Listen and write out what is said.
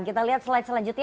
kita lihat slide selanjutnya